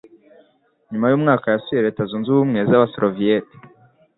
Nyuma yumwaka, yasuye Leta Zunze Ubumwe z'Abasoviyeti.